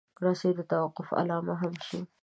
رسۍ د توقف علامه هم شي.